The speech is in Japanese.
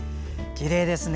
きれいですね。